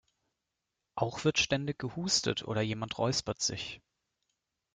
Auch wird ständig gehustet oder jemand räuspert sich.